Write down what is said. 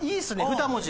２文字。